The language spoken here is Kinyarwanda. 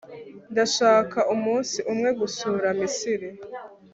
ndashaka umunsi umwe gusura misiri